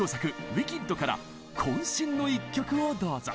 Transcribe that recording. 「ウィキッド」から渾身の一曲をどうぞ！